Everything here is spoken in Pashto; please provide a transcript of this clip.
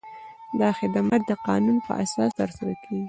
دا خدمات د قانون په اساس ترسره کیږي.